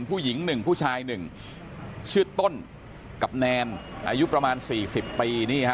ผู้หญิงหนึ่งผู้ชายหนึ่งชื่อต้นกรับแนนอายุประมาณสี่สิบปีนี่ฮะ